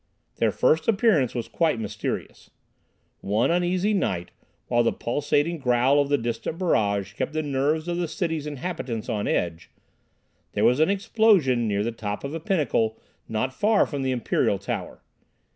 Their first appearance was quite mysterious. One uneasy night, while the pulsating growl of the distant barrage kept the nerves of the city's inhabitants on edge, there was an explosion near the top of a pinnacle not far from the Imperial Tower.